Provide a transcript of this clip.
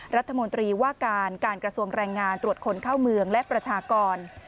รัฐมนตรีว่าการการกระทรวงแรงงานตรวจคนเข้าเมืองและประชากร